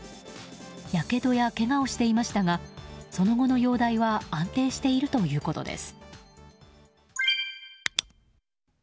やけどや、けがをしていましたがその後の容体は安定しているということです。